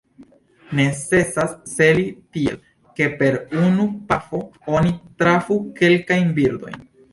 Necesas celi tiel, ke per unu pafo oni trafu kelkajn birdojn.